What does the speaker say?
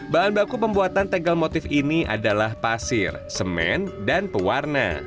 bahan baku pembuatan tegel motif ini adalah pasir semen dan pewarna